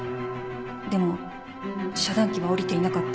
でも遮断機は下りていなかった。